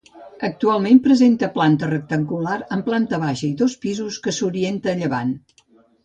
Actualment presenta planta rectangular amb planta baixa i dos pisos que s'orienta a llevant.